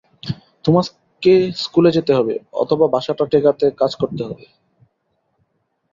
তোমাকে স্কুলে যেতে হবে, অথবা বাসাটা টেকাতে কাজ করতে হবে।